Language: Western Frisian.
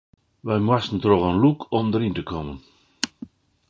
Wy moasten troch in lûk om deryn te kommen.